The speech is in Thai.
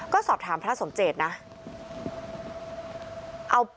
ก็สอบถามพระสมเจตนะ